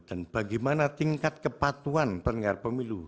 dan bagaimana tingkat kepatuan penyelenggara pemilu